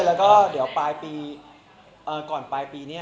และก่อนปลายปีนี้